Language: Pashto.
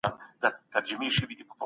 موږ تېروتنه اصلاح کوو.